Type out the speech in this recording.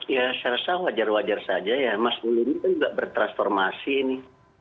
ya saya rasa wajar wajar saja ya mas uli ini kan juga bertransformasi ini